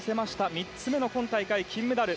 ３つ目の今大会、金メダル。